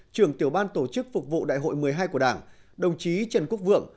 trưởng tiểu ban tổ chức phục vụ đại hội một mươi hai của đảng đồng chí trần quốc vượng